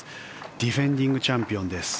ディフェンディングチャンピオンです。